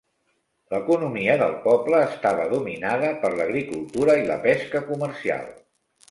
L'economia del poble estava dominada per l'agricultura i la pesca comercial.